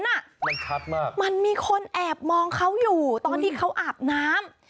มันชัดมากมันมีคนแอบมองเขาอยู่ตอนที่เขาอาบน้ำ